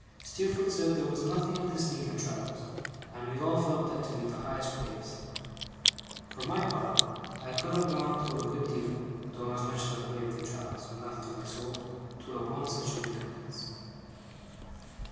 Steerforth said there was nothing of the sneak in Traddles, and we all felt that to be the highest praise. For my part, I could have gone through a good deal (though I was much less brave than Traddles, and nothing like so old) to have won such a recompense.